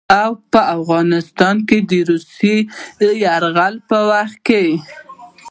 او په افغانستان د روسي يرغل په وخت